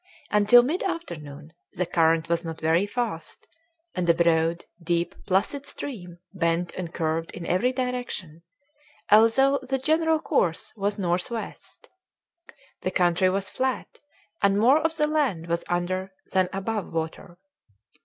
Until mid afternoon the current was not very fast, and the broad, deep, placid stream bent and curved in every direction, although the general course was northwest. The country was flat, and more of the land was under than above water.